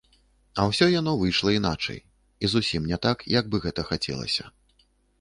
А ўсё яно выйшла іначай і зусім не так, як бы гэта хацелася.